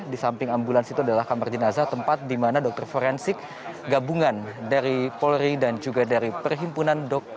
di samping ambulans itu adalah kamar jenazah tempat di mana dokter forensik gabungan dari polri dan juga dari perhimpunan dokter